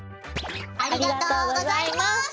ありがとうございます！